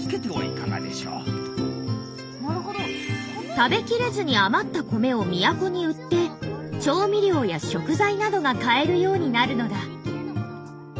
食べきれずに余った米を都に売って調味料や食材などが買えるようになるのだ。